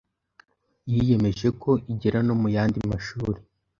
yiyemeje ko igera no mu yandi mashuri,